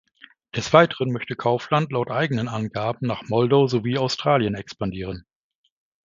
Des Weiteren möchte Kaufland laut eigenen Angaben nach Moldau sowie Australien expandieren.